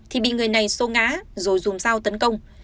thì bị người này xô ngá rồi dùm sao tấn công